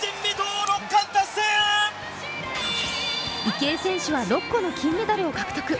池江選手は６個の金メダルを獲得。